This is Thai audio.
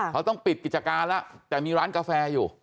เขาต้องปิดกิจการแล้วแต่มีร้านกาแฟอยู่